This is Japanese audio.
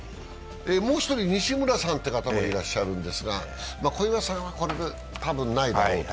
もう１人、西村さんという方もいらっしゃるんですが小祝さんは多分ないだろうと。